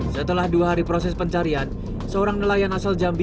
setelah dua hari proses pencarian seorang nelayan asal jambi